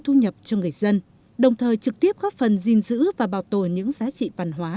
thu nhập cho người dân đồng thời trực tiếp góp phần gìn giữ và bảo tồn những giá trị văn hóa